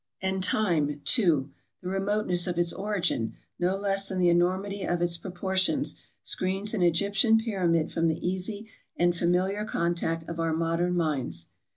And Time too; the remoteness of its origin, no less than the enormity of its proportions, screens an Egyptian pyramid from the easy and familiar contact of our modern minds.